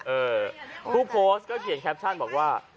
เออผู้โพสต์ก็เขียนแคปชั่นบอกว่า